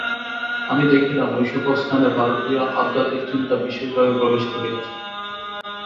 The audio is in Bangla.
আমি দেখিলাম, ঐ-সকল স্থানে ভারতীয় আধ্যাত্মিক চিন্তা বিশেষভাবে প্রবেশ করিয়াছে।